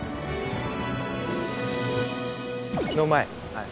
はい。